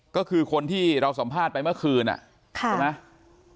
ก็คือคนที่เราสัมภาษณ์ไปเมื่อคืนใช่ไหม